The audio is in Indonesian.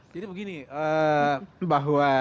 jadi begini bahwa